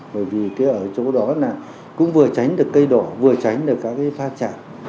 bởi vì ở chỗ đó cũng vừa tránh được cây đổ vừa tránh được các cái pha trạng